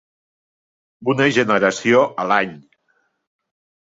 Una generació a l'any.